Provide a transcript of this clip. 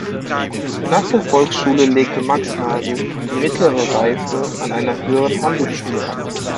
Nach der Volksschule legte Max Nagel die Mittlere Reife an einer Höheren Handelsschule ab.